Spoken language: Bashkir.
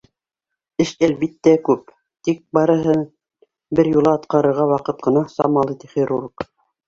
— Эш, әлбиттә, күп, тик барыһын бер юлы атҡарырға ваҡыт ҡына самалы, — ти хирург.